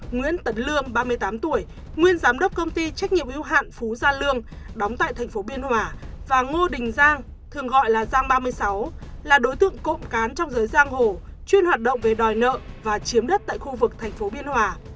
nguyễn tấn lương ba mươi tám tuổi nguyên giám đốc công ty trách nhiệm ưu hạn phú gia lương đóng tại thành phố biên hòa và ngô đình giang thường gọi là giang ba mươi sáu là đối tượng cộng cán trong giới giang hồ chuyên hoạt động về đòi nợ và chiếm đất tại khu vực thành phố biên hòa